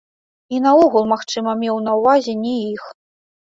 І наогул, магчыма, меў на ўвазе не іх.